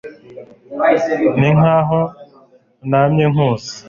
ninkaho namye nkuzi